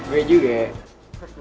gue juga ya